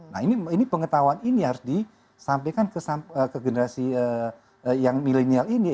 nah ini pengetahuan ini harus disampaikan ke generasi yang milenial ini